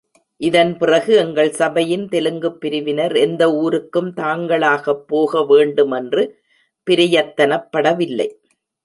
இதன் பிறகு எங்கள் சபையின் தெலுங்குப் பிரிவினர், எந்த ஊருக்கும் தாங்களாகப் போக வேண்டுமென்று பிரயத்தனப்படவில்லை.